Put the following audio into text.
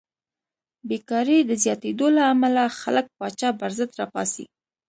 بېکارۍ د زیاتېدو له امله خلک پاچا پرضد راپاڅي.